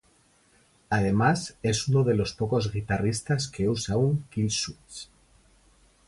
Además es uno de los pocos guitarristas que usa un Killswitch.